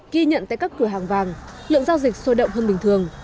ghi nhận tại các cửa hàng vàng lượng giao dịch sôi động hơn bình thường